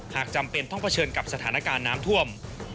จำเป็นต้องเผชิญกับสถานการณ์น้ำท่วม